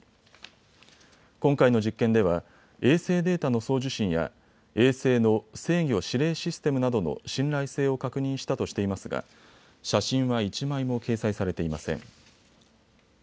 今回の実験では衛星データの送受信や衛星の制御・指令システムなどの信頼性を確認したとしていますが写真は１枚も掲載されていません。